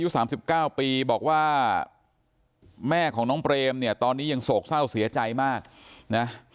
๓๙ปีบอกว่าแม่ของน้องเปรมเนี่ยตอนนี้ยังโศกเศร้าเสียใจมากนะ